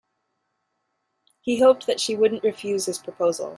He hoped that she wouldn't refuse his proposal